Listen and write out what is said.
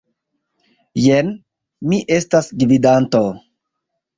Jen, mi estas gvidanto.